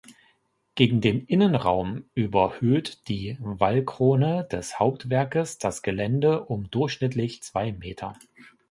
Gegen den Innenraum überhöht die Wallkrone des Hauptwerkes das Gelände um durchschnittlich zwei Meter.